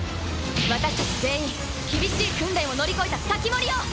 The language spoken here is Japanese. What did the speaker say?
私たち全員厳しい訓練を乗り越えた防人よ。